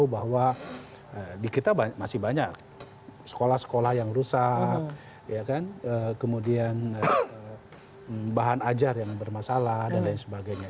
karena kita masih banyak sekolah sekolah yang rusak kemudian bahan ajar yang bermasalah dan lain sebagainya